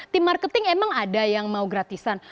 tim marketing emang ada yang mau gratisan